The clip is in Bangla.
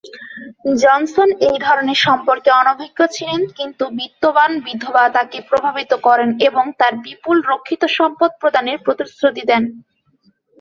জনসন এই ধরনের সম্পর্কে অনভিজ্ঞ ছিলেন, কিন্তু বিত্তবান বিধবা তাকে প্রভাবিত করেন এবং তার বিপুল রক্ষিত সম্পদ প্রদানের প্রতিশ্রুতি দেন।